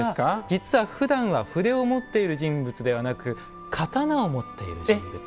実はふだんは筆を持っている人物ではなく刀を持っている人物。